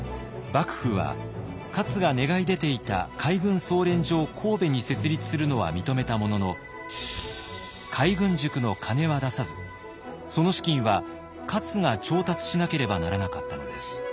幕府は勝が願い出ていた海軍操練所を神戸に設立するのは認めたものの海軍塾の金は出さずその資金は勝が調達しなければならなかったのです。